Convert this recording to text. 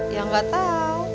ya gak tau